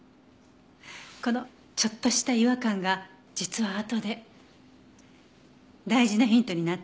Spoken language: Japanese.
このちょっとした違和感が実はあとで大事なヒントになったのよね。